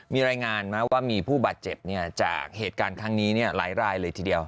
มีรายงานว่ามีผู้บาดเจ็บเนี่ยจากเหตุการณ์ทางนี้หลายเลยทีเดียว